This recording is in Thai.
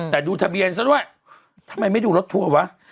แต่ดูทะเบียนซะด้วยทำไมไม่ดูรถทัวร์วะ